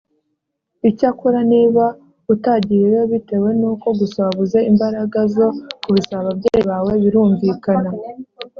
icyakora niba utagiyeyo bitewe nuko gusa wabuze imbaraga zo kubisaba ababyeyi bawe birumvikana